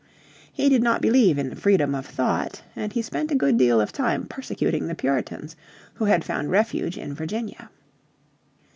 He did not believe in freedom of thought, and he spent a good deal of time persecuting the Puritans who had found refuge in Virginia.